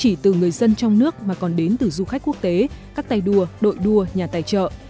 chỉ từ người dân trong nước mà còn đến từ du khách quốc tế các tài đua đội đua nhà tài trợ